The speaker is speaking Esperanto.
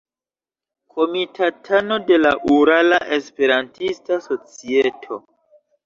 Komitatano de la Urala Esperantista Societo.